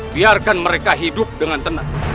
biarkan mereka hidup dengan tenang